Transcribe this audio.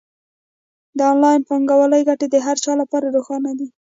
د انلاین بانکوالۍ ګټې د هر چا لپاره روښانه دي.